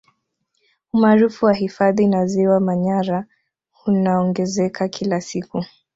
Umaarufu wa hifadhi na Ziwa Manyara hunaongezeka kila siku